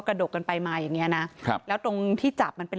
ดกกันไปมาอย่างเงี้นะครับแล้วตรงที่จับมันเป็น